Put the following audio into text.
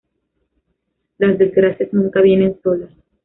Las desgracias nunca vienen solas